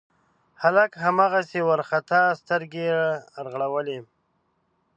هلک هماغسې وارخطا سترګې رغړولې.